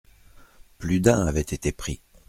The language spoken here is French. Plus d’un avait été pris.